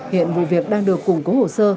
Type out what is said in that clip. hiện vụ việc đang được củng cố hồ sơ